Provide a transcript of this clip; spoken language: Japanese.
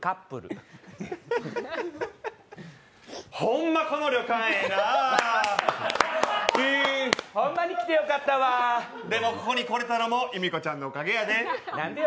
うん、ほんまに来てよかったわでもここに来れたのもゆみこちゃんのおかげやで。